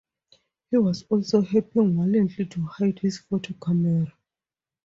He was also helping Walenty to hide his photo camera.